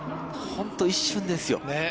本当、一瞬ですよ。